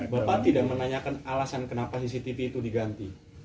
bapak tidak menanyakan alasan kenapa cctv itu diganti